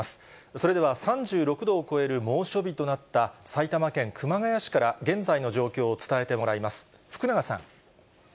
それでは、３６度を超える猛暑日となった、埼玉県熊谷市から現在の状況を伝えてもらいます。